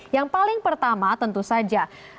yang paling pertama tentu saja